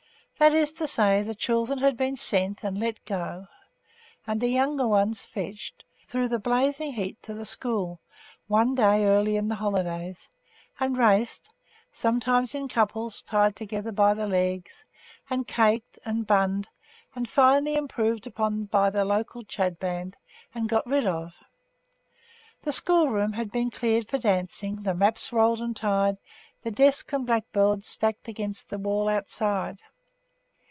That is to say that the children had been sent, and 'let go', and the younger ones 'fetched' through the blazing heat to the school, one day early in the holidays, and raced sometimes in couples tied together by the legs and caked, and bunned, and finally improved upon by the local Chadband, and got rid of. The schoolroom had been cleared for dancing, the maps rolled and tied, the desks and blackboards stacked against the wall outside.